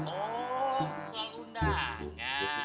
oh soal undang